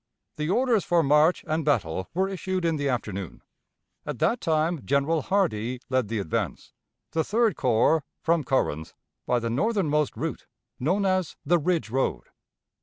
The orders for march and battle were issued in the afternoon. At that time General Hardee led the advance, the Third Corps, from Corinth, by the northernmost route, known as the Ridge road.